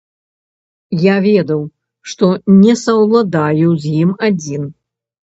Я ведаў, што не саўладаю з ім адзін.